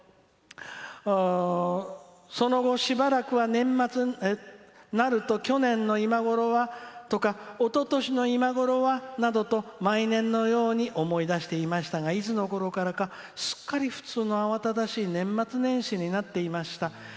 「その後、しばらくは年末になると去年の今頃はとかおととしの今頃はなどと毎年のように思い出していましたがいつのころからかすっかり普通の慌ただしい年末年始になっていました。